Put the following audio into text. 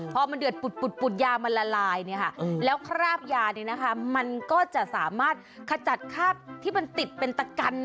พอมันเดือดปุดยามันละลายเนี่ยค่ะแล้วคราบยาเนี่ยนะคะมันก็จะสามารถขจัดคราบที่มันติดเป็นตะกัน